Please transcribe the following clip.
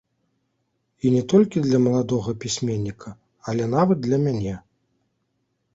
І не толькі для маладога пісьменніка, але нават для мяне.